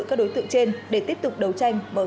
các đối tượng trên để tiếp tục đấu tranh bờ sợ quán